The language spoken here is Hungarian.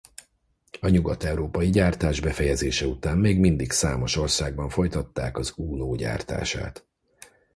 A nyugat-európai gyártás befejezése után még mindig számos országban folytatták az Uno gyártását.